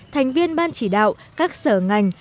thành viên ban chỉ đạo các sở ngành